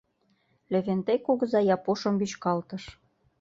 — Левентей кугыза Япушым вӱчкалтыш.